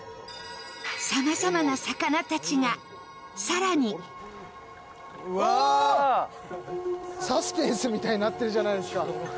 さまざまな魚たちが、更にサスペンスみたいになってるじゃないですか。